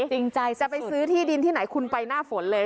จริงใจจะไปซื้อที่ดินที่ไหนคุณไปหน้าฝนเลย